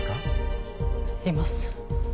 います。